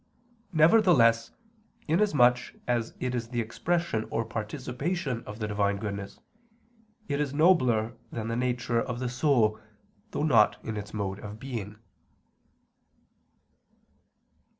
Nevertheless, inasmuch as it is the expression or participation of the Divine goodness, it is nobler than the nature of the soul, though not in its mode of being.